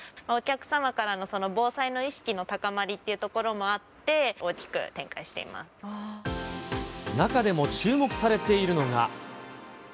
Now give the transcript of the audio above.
お客様からの防災の意識の高まりというところもあって、大きく展中でも注目されているのが。